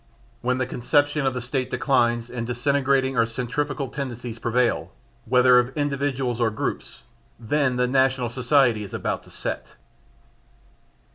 When the conception of the State declines and disintegrating or centrifugal tendencies prevail, whether of individuals or groups, then the national society is about to set."